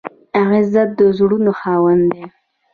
غیرت د زړونو خاوند دی